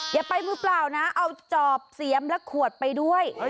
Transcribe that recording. อย่าไปมือเปล่านะเอาจอบเสียมและขวดไปด้วย